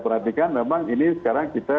perhatikan memang ini sekarang kita